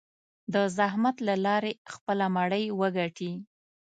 د زحمت له لارې خپله مړۍ وګټي.